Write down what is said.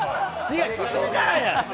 聞くからや！